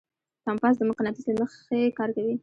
کمپاس د مقناطیس له مخې کار کوي.